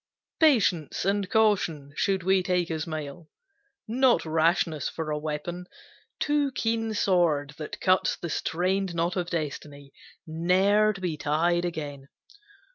Patience and caution should we take as mail, Not rashness for a weapon too keen sword That cuts the strainèd knot of destiny, Ne'er to be tied again.